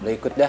udah ikut dah